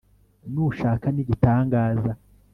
nushaka n'igitangaza